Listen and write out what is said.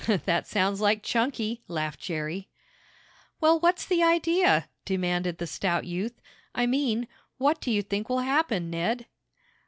"That sounds like Chunky!" laughed Jerry. "Well, what's the idea?" demanded the stout youth. "I mean what do you think will happen, Ned?"